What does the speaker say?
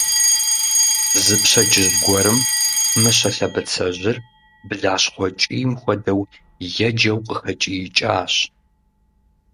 Зы пщэдджыжь гуэрым Мыщэ лъэбыцэжьыр, блащхъуэ кӀийм хуэдэу еджэу къыхэкӀиикӀащ.